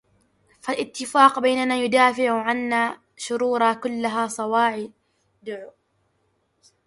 فالاتفاق بيننا يُدافِعُ عنا شرورا كلها صَوَادِعُ